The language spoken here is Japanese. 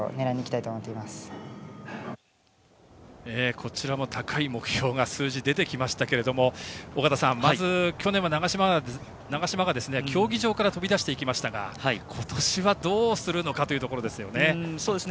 こちらも高い目標、数字が出てきましたが尾方さん、まず去年は長嶋が競技場から飛び出していきましたが今年はどうするのかというところですね。